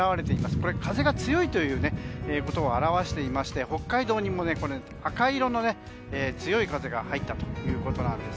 これ、風が強いということを表していまして北海道にも赤色の強い風が入ったということです。